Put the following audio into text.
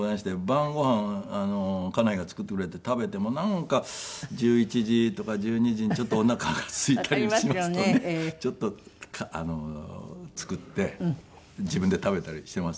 晩ご飯家内が作ってくれて食べてもなんか１１時とか１２時にちょっとおなかがすいたりしますとねちょっと作って自分で食べたりしています。